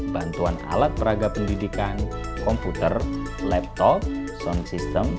bantuan alat peraga pendidikan komputer laptop sound system